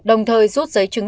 đồng thời rút giấy chứng